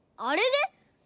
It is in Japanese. あれで？